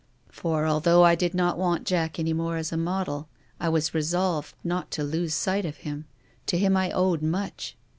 For, although I did not want Jack any more as a model, I was resolved not to lose sight of him. To him I owed much.